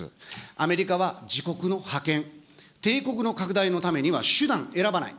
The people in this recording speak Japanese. アメリカは自国の覇権、帝国の拡大のためには、手段、選ばない。